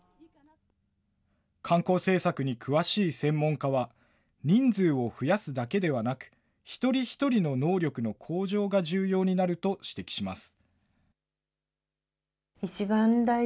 観光政策に詳しい専門家は、人数を増やすだけではなく、一人一人の能力の向上が重要になると指摘します。